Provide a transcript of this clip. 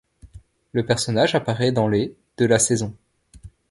Le personnage apparaît dans les de la saison.